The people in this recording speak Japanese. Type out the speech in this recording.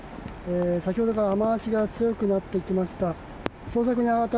先ほどから雨脚が強くなってきました。